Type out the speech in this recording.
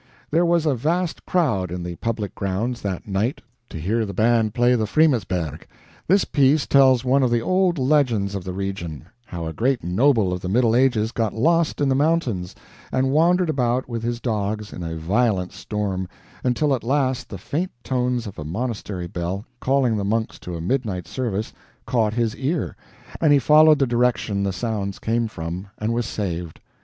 There was a vast crowd in the public grounds that night to hear the band play the "Fremersberg." This piece tells one of the old legends of the region; how a great noble of the Middle Ages got lost in the mountains, and wandered about with his dogs in a violent storm, until at last the faint tones of a monastery bell, calling the monks to a midnight service, caught his ear, and he followed the direction the sounds came from and was saved.